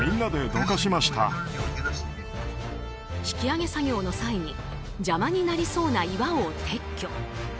引き上げ作業の際に邪魔になりそうな岩を撤去。